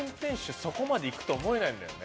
そこまでいくと思えないんだよね。